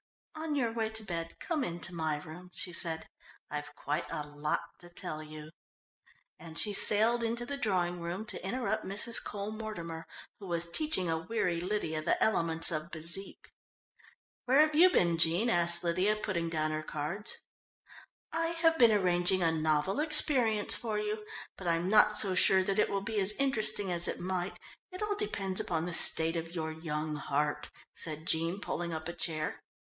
"On your way to bed, come in to my room," she said. "I've quite a lot to tell you," and she sailed into the drawing room to interrupt Mrs. Cole Mortimer, who was teaching a weary Lydia the elements of bezique. "Where have you been, Jean?" asked Lydia, putting down her cards. "I have been arranging a novel experience for you, but I'm not so sure that it will be as interesting as it might it all depends upon the state of your young heart," said Jean, pulling up a chair.